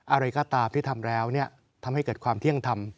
อะไรก็ตามที่ทำแล้วทำให้เกิดความเที่ยงธรรม